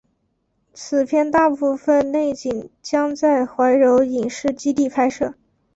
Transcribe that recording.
此片大部分内景将在怀柔影视基地拍摄。